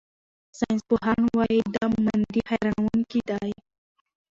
ساینسپوهان وايي چې دا موندنې حیرانوونکې دي.